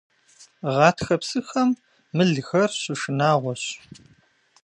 Гъатхэ псыхэм мылхэр щышынагъуэщ.